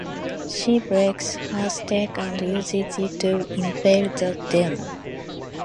She breaks her stake and uses it to impale the demon.